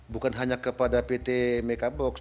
bukan hanya kepada pt mekabox